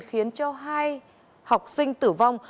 khiến cho hai học sinh tử vong